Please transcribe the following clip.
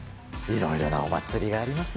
いろいろなお祭りがあります